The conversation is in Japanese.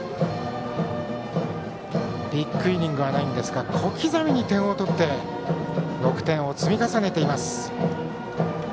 ビッグイニングはありませんが小刻みに点を取って６点を積み重ねています。